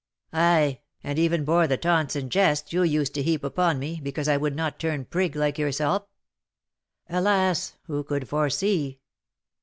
"Ay, and even bore the taunts and jests you used to heap upon me, because I would not turn prig like yourself." "Alas! who could foresee?"